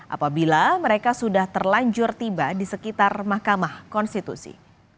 apabila mereka sudah terlanjur tiba di sekitar mahkamah konstitusi